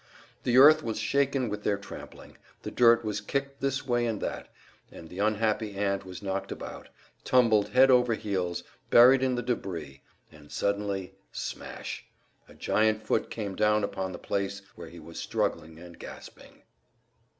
The earth was shaken with their trampling, the dirt was kicked this way and that, and the unhappy ant was knocked about, tumbled head over heels, buried in the debris; and suddenly Smash! a giant foot came down upon the place where he was struggling and gasping!